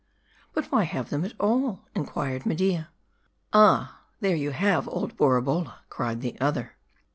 " But why have them at all ?" inquired Media. " Ah ! there you have old Borabolla," cried the other.